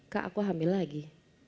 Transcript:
kak aku hamil lagi